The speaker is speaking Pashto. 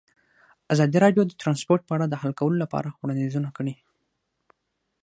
ازادي راډیو د ترانسپورټ په اړه د حل کولو لپاره وړاندیزونه کړي.